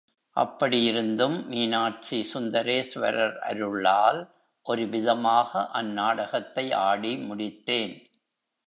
அப்படியிருந்தும், மீனாட்சி சுந்தரேஸ்வரர் அருளால், ஒருவிதமாக அந் நாடகத்தை ஆடி முடித்தேன்.